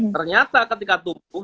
ternyata ketika tumbuh